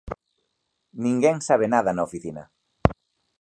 Ninguén sabe nada na oficina.